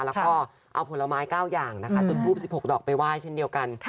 แล้วก็เอาผลไม้๙อย่างนะคะจุดทูบ๑๖ดอกไปไหว้เช่นเดียวกัน